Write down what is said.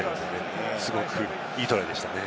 すごくいいトライでしたね。